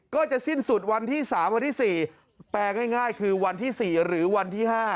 ก็จะสิ้นสุดวันที่๓วันที่๔แปลง่ายคือวันที่๔หรือวันที่๕